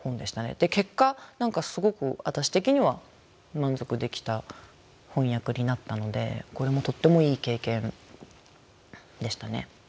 結果何かすごくわたし的には満足できた翻訳になったのでこれもとってもいい経験でしたね。